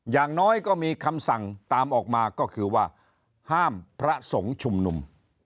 อย่างน้อยก็มีคำสั่งตามออกมาก็คือว่าห้ามพระสงฆ์ชุมนุม